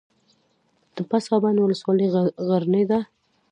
د پسابند ولسوالۍ غرنۍ ده